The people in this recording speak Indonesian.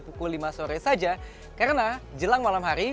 pukul lima sore saja karena jelang malam hari